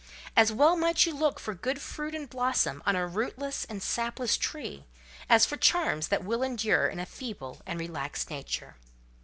As well might you look for good fruit and blossom on a rootless and sapless tree, as for charms that will endure in a feeble and relaxed nature.